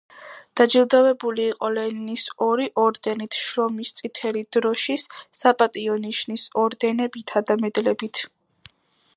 დაჯილდოვებული იყო ლენინის ორი ორდენით, შრომის წითელი დროშის, „საპატიო ნიშნის“ ორდენებითა და მედლებით.